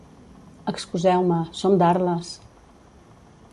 Excuseu-me, som d'Arles!